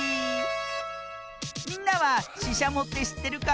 みんなはししゃもってしってるかな？